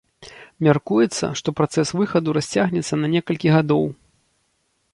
Мяркуецца, што працэс выхаду расцягнецца на некалькі гадоў.